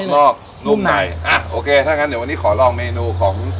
นอกนุ่มในอ่ะโอเคถ้างั้นเดี๋ยววันนี้ขอลองเมนูของ